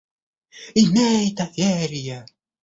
Имей доверие.